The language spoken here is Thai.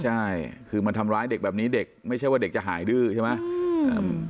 ใช่คือมาทำร้ายเด็กแบบนี้เด็กไม่ใช่ว่าเด็กจะหายดื้อใช่ไหม